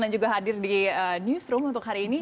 dan juga hadir di newsroom untuk hari ini